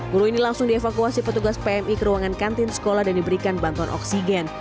guru ini langsung dievakuasi petugas pmi ke ruangan kantin sekolah dan diberikan bantuan oksigen